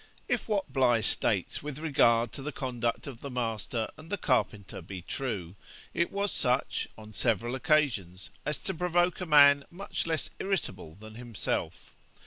If what Bligh states with regard to the conduct of the master and the carpenter be true, it was such, on several occasions, as to provoke a man much less irritable than himself.